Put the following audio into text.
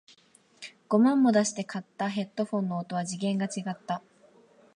五万も出して買ったヘッドフォンの音は次元が違った